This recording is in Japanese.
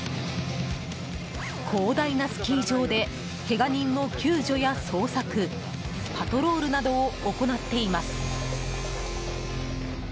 広大なスキー場でけが人の救助や捜索パトロールなどを行っています。